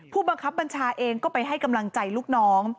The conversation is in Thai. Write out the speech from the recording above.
ผู้บังคับบัญชาเองก็ไปให้กำลังใจลูกน้อง